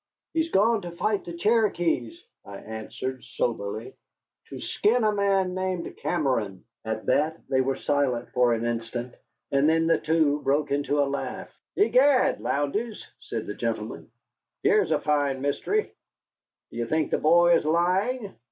"He's gone to fight the Cherokees," I answered soberly. "To skin a man named Cameron." At that they were silent for an instant, and then the two broke into a laugh. "Egad, Lowndes," said the gentleman, "here is a fine mystery. Do you think the boy is lying?"